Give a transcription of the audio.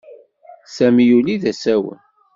Sami yuli d asawen.